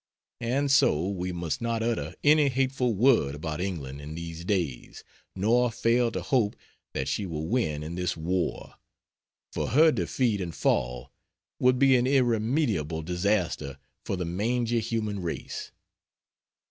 And so we must not utter any hateful word about England in these days, nor fail to hope that she will win in this war, for her defeat and fall would be an irremediable disaster for the mangy human race....